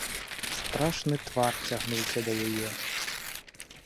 Страшны твар цягнуўся да яе.